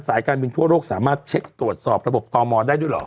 การบินทั่วโลกสามารถเช็คตรวจสอบระบบต่อมอลได้ด้วยเหรอ